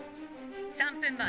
３分前